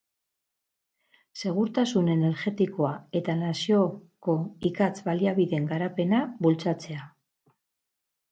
Segurtasun energetikoa eta nazioko ikatz-baliabideen garapena bultzatzea.